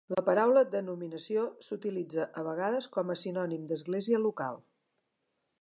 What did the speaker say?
La paraula denominació s'utilitza a vegades com a sinònim d'església local.